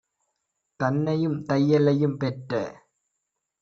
தன்னையும் தையலையும் - பெற்ற